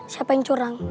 siapa yang curang